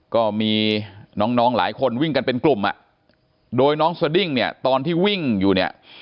ก็มีน้องน้องหลายคนวิ่งกันเป็นกลุ่มอ่ะโดยน้องสดิ้งเนี่ยตอนที่วิ่งอยู่เนี่ย